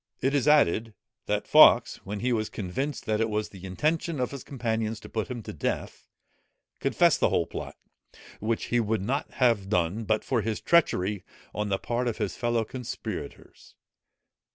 It is added, that Fawkes, when he was convinced that it was the intention of his companions to put him to death, confessed the whole plot, which he would not have done, but for this treachery on the part of his fellow conspirators.